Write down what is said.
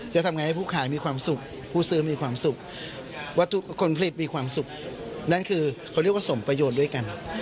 จะทำไงให้ผู้ขายมีความสุขผู้ซื้อมีความสุขวัตถุคนผลิตมีความสุขนั่นคือเขาเรียกว่าสมประโยชน์ด้วยกัน